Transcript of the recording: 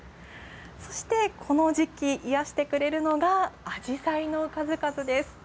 そしてこの時期、癒してくれるのがアジサイの数々です。